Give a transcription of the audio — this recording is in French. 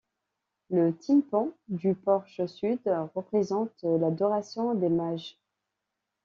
Le tympan du porche sud représente l'Adoration des mages.